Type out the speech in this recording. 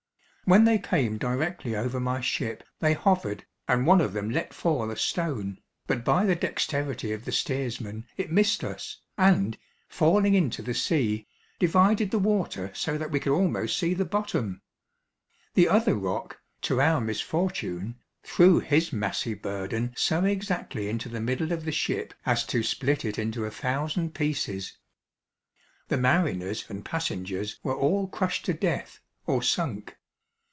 When they came directly over my ship they hovered, and one of them let fall a stone, but by the dexterity of the steersman it missed us, and, falling into the sea, divided the water so that we could almost see the bottom. The other roc, to our misfortune, threw his massy burden so exactly into the middle of the ship as to split it into a thousand pieces. The mariners and passengers were all crushed to death, or sunk.